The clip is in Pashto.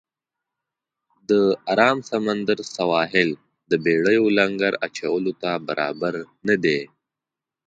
د آرام سمندر سواحل د بېړیو لنګر اچولو ته برابر نه دی.